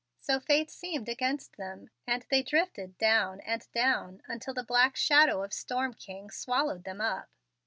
So fate seemed against them, and they drifted down and down until the black shadow of "Storm King" swallowed them up.